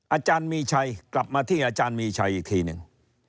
อาจารย์มีชัยกลับมาที่อาจารย์มีชัยอีกทีหนึ่ง